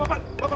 pak pak pak